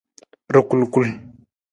Rakulkul.